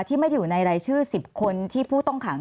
ที่ไม่ได้อยู่ในรายชื่อ๑๐คนที่ผู้ต้องขัง